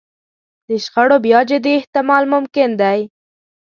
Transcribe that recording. د شخړو بیا جدي احتمال ممکن دی.